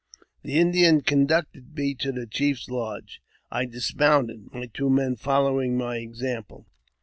' The Indian conducted me to the chief's lodge. I dismounted, my two men following my example.